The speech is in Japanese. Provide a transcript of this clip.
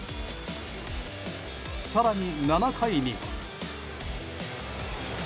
更に７回に。